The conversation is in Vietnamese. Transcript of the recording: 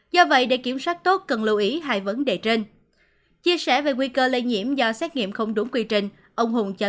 do vậy để kiểm soát tốt cần lưu ý hai vấn đề trên